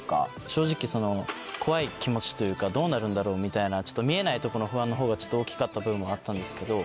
正直怖い気持ちというかどうなるんだろう？みたいな見えないとこの不安のほうが大きかった部分もあったんですけど。